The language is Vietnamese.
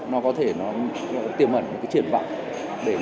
nó có thể nó tiềm ẩn những cái triển vọng